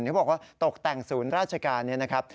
เขาบอกว่าตกแต่งศูนย์ราชการนี้นะครับ